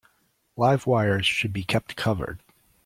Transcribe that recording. Live wires should be kept covered.